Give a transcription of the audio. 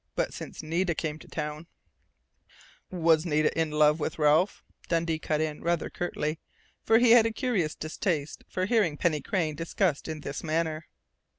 But since Nita came to town " "Was Nita in love with Ralph?" Dundee cut in, rather curtly, for he had a curious distaste for hearing Penny Crain discussed in this manner.